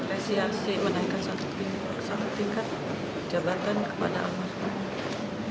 apresiasi menaikkan satu tingkat jabatan kepada anak